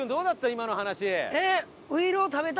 今の話。